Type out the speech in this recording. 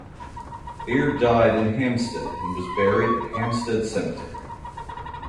Beard died in Hampstead and was buried at Hampstead Cemetery.